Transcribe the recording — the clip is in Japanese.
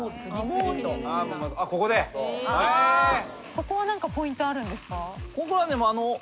ここはポイントあるんですか？